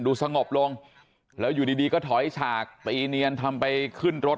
สงบลงแล้วอยู่ดีก็ถอยฉากตีเนียนทำไปขึ้นรถ